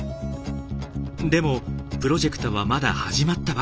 でもプロジェクトはまだ始まったばかり。